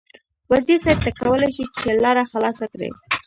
وزیر صیب ته کولای شې چې لاره خلاصه کړې.